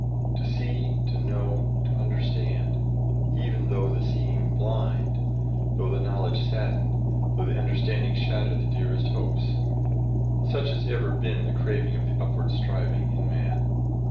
To see, to know, to understand, even though the seeing blind, though the knowledge sadden, though the understanding shatter the dearest hopes such has ever been the craving of the upward striving mind in man.